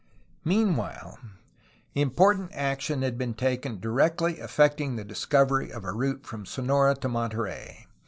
Meanwhile, important action had been taken directly affecting the discovery of a route from Sonora to Monterey.